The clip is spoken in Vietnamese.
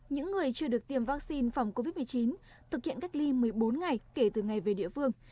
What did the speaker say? những người chưa được tiêm vaccine phòng covid một mươi chín thực hiện cách ly một mươi bốn ngày kể từ ngày về địa phương